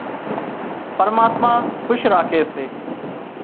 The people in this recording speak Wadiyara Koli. پرماتما کُش راکي سي